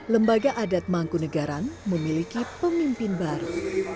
lembaga adat mangkunegaran memiliki pemimpin baru